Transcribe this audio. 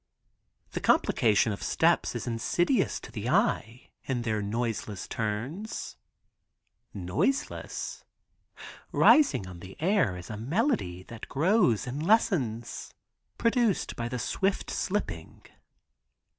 The complication of steps is insidious to the eye in their noiseless turns. Noiseless? rising on the air is a melody, that grows and lessens, produced by the swift slipping.